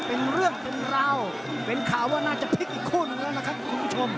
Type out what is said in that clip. เป็นเรื่องเป็นราวเป็นข่าวว่าน่าจะพลิกอีกคู่หนึ่งแล้วนะครับคุณผู้ชม